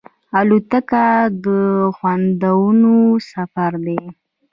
الوتکه د خوندونو سفر دی.